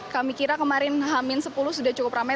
kami kira kemarin hamin sepuluh sudah cukup ramai